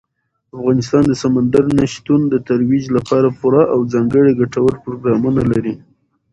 افغانستان د سمندر نه شتون د ترویج لپاره پوره او ځانګړي ګټور پروګرامونه لري.